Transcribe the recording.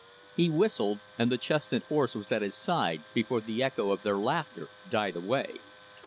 He whistled and the chestnut horse was at his side before the echo of their laughter died away.